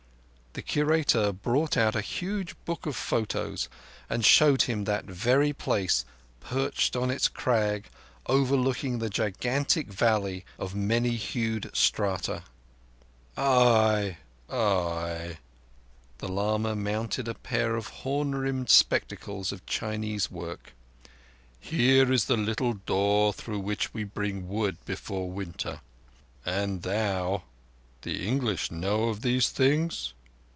The Curator brought out a huge book of photos and showed him that very place, perched on its crag, overlooking the gigantic valley of many hued strata. "Ay, ay!" The lama mounted a pair of horn rimmed spectacles of Chinese work. "Here is the little door through which we bring wood before winter. And thou—the English know of these things?